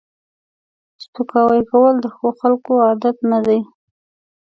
سپکاوی کول د ښو خلکو عادت نه دی